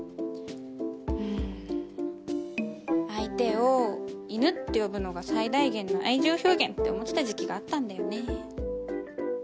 うーん相手を犬って呼ぶのが最大限の愛情表現って思ってた時期があったんだよね